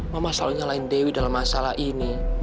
mama selalu nyalahin dewi dalam masalah ini